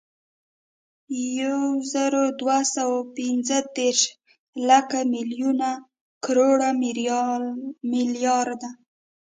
یوزرودوهسوه اوپنځهدېرش، لک، ملیون، کروړ، ملیارد